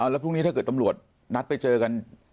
แล้วพรุ่งนี้ถ้าเกิดตำรวจนัดไปเจอกัน